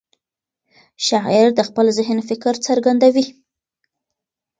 شاعر د خپل ذهن فکر څرګندوي.